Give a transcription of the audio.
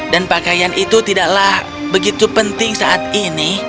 dan pakaian itu tidaklah begitu penting saat ini